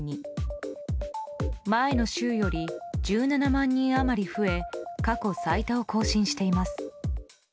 前の週より１７万人余り増え過去最多を更新しています。